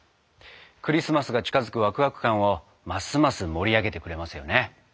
クリスマスが近づくワクワク感をますます盛り上げてくれますよね。